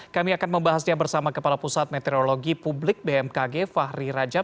kami akan membahasnya bersama kepala pusat meteorologi publik bmkg fahri rajab